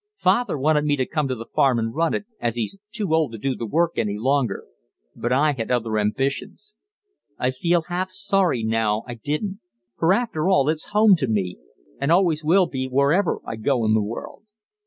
Father wanted me to come to the farm and run it, as he's too old to do the work any longer; but I had other ambitions. I feel half sorry now I didn't; for after all it's home to me, and always will be wherever I go in the world.